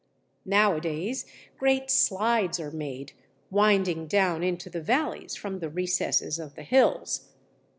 Nowadays great "slides" are made, winding down into the valleys from the recesses of the hills.